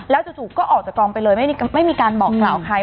จู่ก็ออกจากกองไปเลยไม่มีการบอกกล่าวใคร